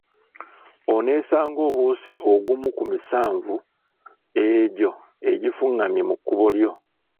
Oneesanga obuuse ogumu ku misanvu egyo egifungamye mu kkubo lyo.